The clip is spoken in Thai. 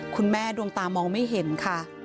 คุณแม่ดวงตามองไม่เห็นค่ะ